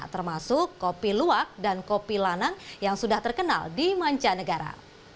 termasuk kopi luwak dan kopi lanang yang sudah terkenal di manca negara